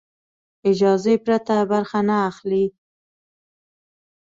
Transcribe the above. اجازې پرته برخه نه اخلي.